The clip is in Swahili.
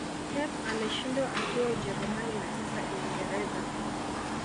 pep ameshindwa akiwa ujerumani na sasa uingereza